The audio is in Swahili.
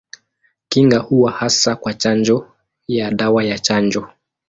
Kinga huwa hasa kwa chanjo ya dawa ya chanjo.